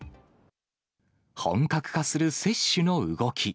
本格化する接種の動き。